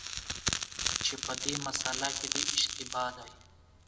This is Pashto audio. چي په دې مسأله کي دی اشتباه دی،